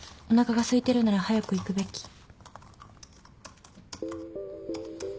おなかがすいてるなら早く行くべき。